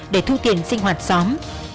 để thu tiền sinh hoạt xóm